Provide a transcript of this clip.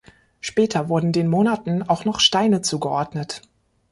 Später wurden den Monaten auch noch Steine zugeordnet.